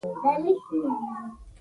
وخت او زمان زه په ډېرو لمبو سوځولی يم.